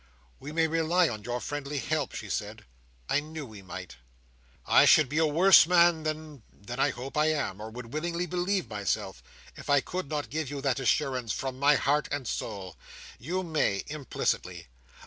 "We may rely on your friendly help?" she said. "I knew we might!" "I should be a worse man than,—than I hope I am, or would willingly believe myself, if I could not give you that assurance from my heart and soul. You may, implicitly.